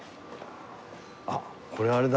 あっこれあれだ。